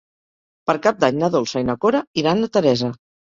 Per Cap d'Any na Dolça i na Cora iran a Teresa.